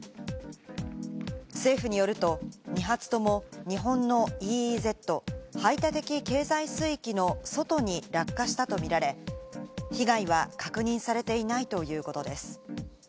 政府によると２発とも日本のＥＥＺ＝排他的経済水域の外に落下したとみられ、被害は確認されていないということです。